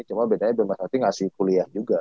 cuma bedanya bima sakti ngasih kuliah juga